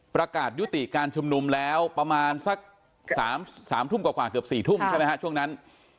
ประกาศยุติการชุมนุมแล้วประมาณสัก๓ทุ่มกว่าเกือบ๔ทุ่มใช่ไหมฮะช่วงนั้น